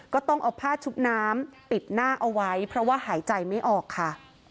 ก็ต้องเอาผ้าชุบน้ำปิดหน้าเอาไว้เพราะว่าหายใจไม่ออกค่ะ